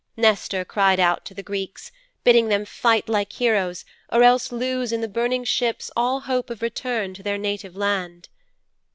Nestor cried out to the Greeks, bidding them fight like heroes, or else lose in the burning ships all hope of return to their native land.